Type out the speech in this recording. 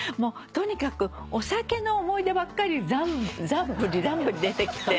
とにかくお酒の思い出ばっかりざんぶりざんぶり出てきて。